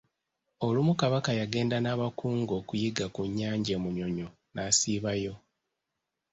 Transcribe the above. Olumu Kabaka yagenda n'abakungu okuyigga ku nnyanja e Munyonyo n'asiibayo.